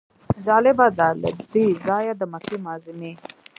جالبه ده له دې ځایه د مکې معظمې.